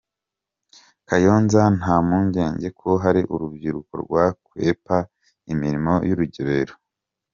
Kayonza Nta mpungenge ko hari urubyiruko rwakwepa imirimo y’urugerero